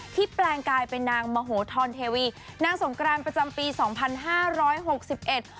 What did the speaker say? แปลงกายเป็นนางมโหธรเทวีนางสงกรานประจำปีสองพันห้าร้อยหกสิบเอ็ด